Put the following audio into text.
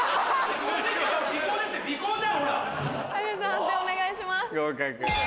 判定お願いします。